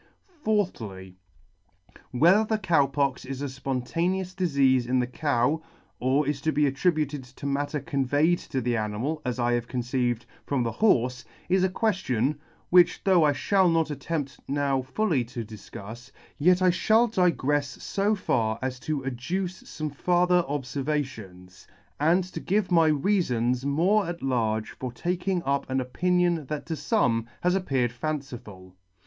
4thly. Whether the Cow Pox is a fpontaneous difeafe in the cow, or is to be attributed to matter conveyed to the animal, as I have conceived, from the horfe, is a queftion, which though I fhall not attempt now fully to difcufs, yet I fliall digrefs fo far as t 9 1 ] as to adduce fome farther obfervations, and to give my reafons more at large for taking up an opinion that to fome has appeared fanciful.